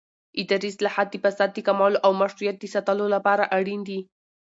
اداري اصلاحات د فساد د کمولو او مشروعیت د ساتلو لپاره اړین دي